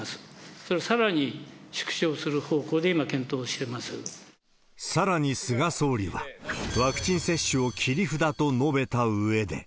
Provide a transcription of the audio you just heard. それをさらに縮小する方向で今、さらに菅総理は、ワクチン接種を切り札と述べたうえで。